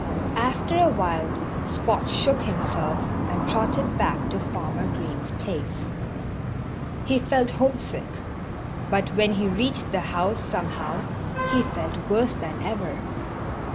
After a while Spot shook himself and trotted back to Farmer Green's place. He felt homesick. But when he reached the house somehow he felt worse than ever.